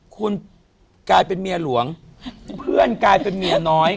คุณกลายเป็นเมียหลวงเพื่อนกลายเป็นเมียน้อย